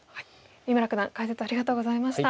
三村九段解説ありがとうございました。